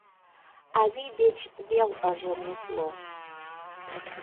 Авий деч вел ыжым утло...